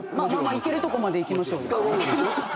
いけるとこまでいきましょう。